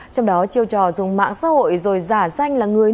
trong đó chiêu trò dùng mạng xã hội rồi giả danh là người